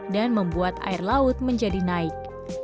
dan membuat air laut menjadi naik